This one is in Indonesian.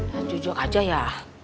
nah jujur aja ya